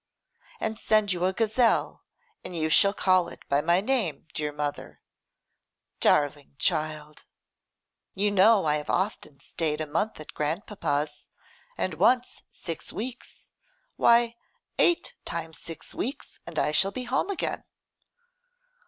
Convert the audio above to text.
'And send you a gazelle, and you shall call it by my name, dear mother.' 'Darling child!' 'You know I have often stayed a month at grand papa's, and once six weeks. Why! eight times six weeks, and I shall be home again.